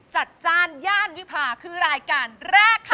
จัดจ้านย่านวิพาคือรายการแรกค่ะ